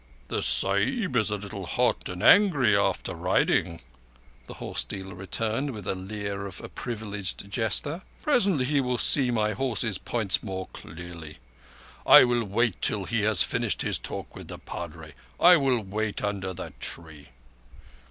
"The Sahib is a little hot and angry after riding," the horse dealer returned, with the leer of a privileged jester. "Presently, he will see my horse's points more clearly. I will wait till he has finished his talk with the Padre. I will wait under that tree."